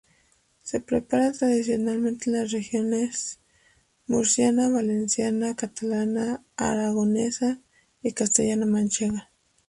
Se prepara tradicionalmente en las regiones murciana, valenciana, catalana, aragonesa y castellano-manchega.